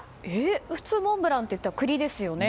普通モンブランといったら栗ですよね。